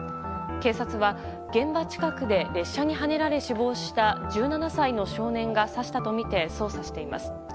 警察は現場近くで列車にはねられ死亡した１７歳の少年が刺したとみて捜査しています。